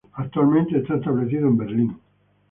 Actualmente está establecido en Berlín.